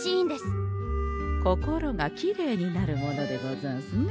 心がきれいになるものでござんすね。